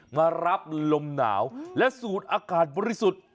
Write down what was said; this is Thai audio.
มารับลมหนาวและสูดอากาศบริสุทธิ์